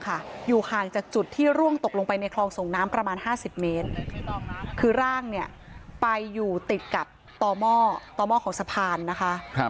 คือร่างไปติดกับต่อหม้อของสะพานนะคะ